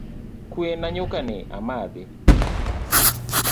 Kue na nyuka ni amadhi